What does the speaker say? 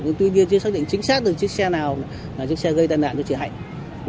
nhưng tuy nhiên chưa xác định chính xác được chiếc xe nào là chiếc xe gây tai nạn cho chị hạnh